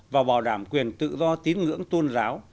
và bảo đảm quyền tự do tín ngưỡng tôn giáo